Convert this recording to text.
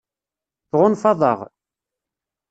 Tɣunfaḍ-aɣ?